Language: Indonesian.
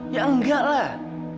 ya enggak lah